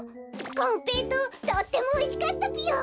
こんぺいとうとってもおいしかったぴよ。